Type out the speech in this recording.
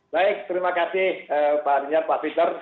baik terima kasih pak rizal pak peter